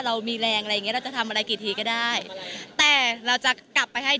เรามีแรงอะไรอย่างเงี้เราจะทำอะไรกี่ทีก็ได้แต่เราจะกลับไปให้